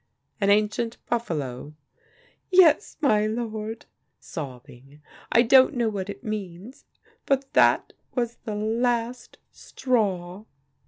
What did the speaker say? "An Ancient Buffalo?" "Yes, my lord. I don't know what it means, but that was the last straw."